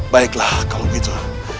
baiklah kalau begitu